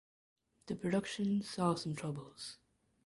The production saw some troubles.